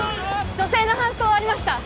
女性の搬送終わりました